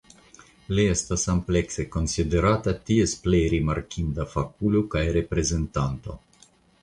Li estas amplekse konsiderata ties plej rimarkinda fakulo kaj reprezentanto.